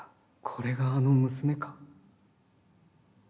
これがあの娘か。――